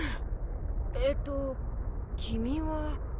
えっと君は。